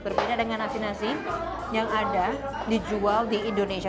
berbeda dengan nasi nasi yang ada dijual di indonesia